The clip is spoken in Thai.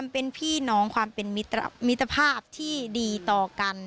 เป็นพี่น้องความเป็นมิตรภาพที่ดีต่อกัน